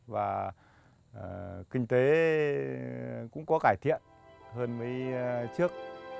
và kinh tế cũng có cải thiện hơn mấy trước